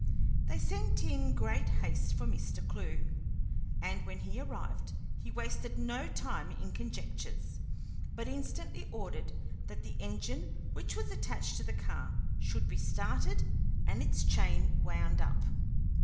They sent in great haste for Mr. Clewe, and when he arrived he wasted no time in conjectures, but instantly ordered that the engine which was attached to the car should be started and its chain wound up.